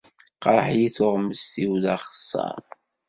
Teqreḥ-iyi tuɣmest-iw d axeṣṣar.